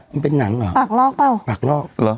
มันเป็นหนังเหรอปากลอกเปล่าปากลอกเหรอ